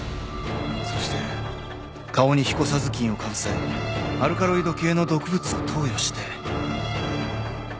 そして顔にひこさ頭巾をかぶせアルカロイド系の毒物を投与して。